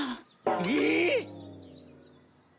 えっ！？